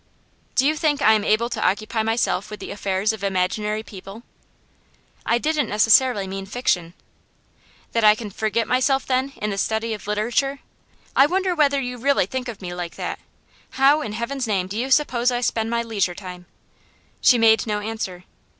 'Do you think I am able to occupy myself with the affairs of imaginary people?' 'I didn't necessarily mean fiction.' 'That I can forget myself, then, in the study of literature? I wonder whether you really think of me like that. How, in Heaven's name, do you suppose I spend my leisure time?' She made no answer.